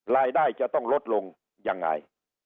รายได้จะต้องลดลงยังไง